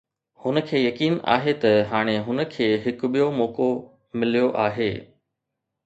هن کي يقين آهي ته هاڻي هن کي هڪ ٻيو موقعو مليو آهي.